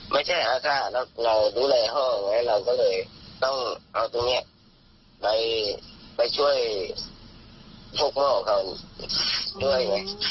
ไม่ใช่อาค่าแล้วเราดูแลห้องเราก็เลยต้องเอาตรงนี้ไปช่วยพวกพ่อเขาด้วยไง